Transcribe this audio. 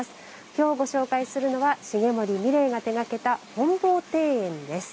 今日ご紹介するのは重森三玲が手がけた本坊庭園です。